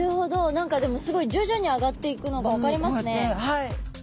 何かでもすごい徐々に上がっていくのが分かりますね。